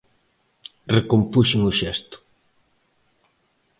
Recompuxen o xesto.